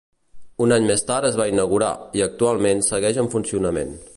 Un any més tard es va inaugurar i actualment segueix en funcionament.